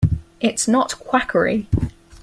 It's not quackery.